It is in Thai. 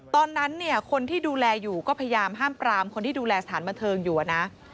ตอนนั้นเนี่ยคนที่ดูแลอยู่ก็พยายามห้ามปรามคนที่ดูแลสถานบันเทิงอยู่นะ